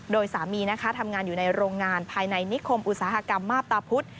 โดยสามีนะคะทำงานอยู่ในโรงงานภายในนิคมอุตสาหกรรมมาบตาพุธ